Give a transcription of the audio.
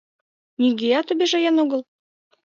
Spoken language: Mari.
— Нигӧат обижаен огыл?